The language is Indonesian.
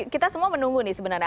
kita semua menunggu nih sebenarnya